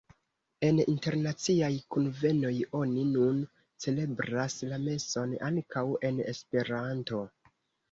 En internaciaj kunvenoj oni nun celebras la meson ankaŭ en Esperanto.